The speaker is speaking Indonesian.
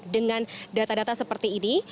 dengan data data seperti ini